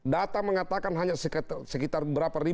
data mengatakan hanya sekitar berapa